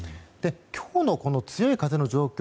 今日の強い風の状況